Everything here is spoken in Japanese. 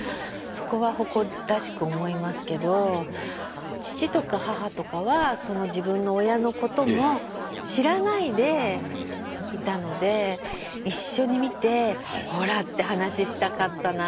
そこは誇らしく思いますけど父とか母とかはその自分の親のことも知らないでいたので一緒に見てほらって話したかったなあって今思いましたね。